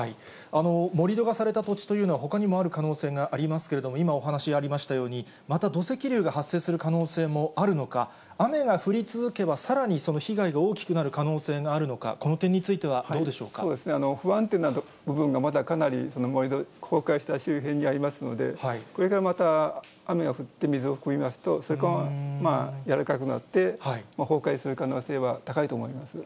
盛り土がされた土地というのは、ほかにもある可能性がありますけれども、今お話ありましたように、また土石流が発生する可能性もあるのか、雨が降り続けば、さらにその被害が大きくなる可能性があるのか、この点についてはどうで不安定な部分がまだかなり、盛り土、崩壊した周辺にありますので、これがまた、雨が降って、水を含みますと、そこがやらかくなって、崩壊する可能性は高いと思います。